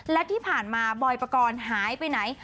และที่ผ่านมาบอยปกรณ์หายไปไหน